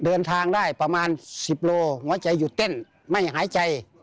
เดินทางได้ประมาณ๑๐โลหัวใจหยุดเต้นไม่หายใจ